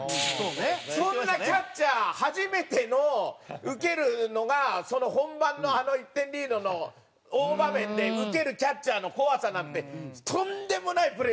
そんなキャッチャー初めての受けるのが本番のあの１点リードの大場面で受けるキャッチャーの怖さなんてとんでもないプレッシャーだから。